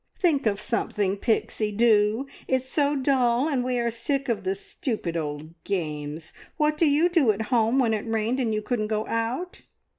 "Think of something, Pixie doo! It's so dull, and we are sick of the stupid old games. What did you do at home when it rained and you couldn't go out?"